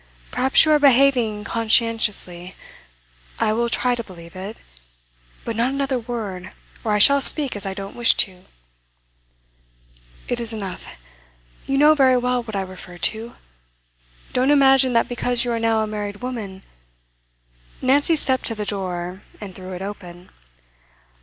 Perhaps you are behaving conscientiously; I will try to believe it. But not another word, or I shall speak as I don't wish to.' 'It is enough. You know very well what I refer to. Don't imagine that because you are now a married woman ' Nancy stepped to the door, and threw it open.